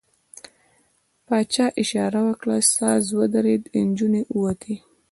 پاچا اشاره وکړه، ساز ودرېد، نجونې ووتې.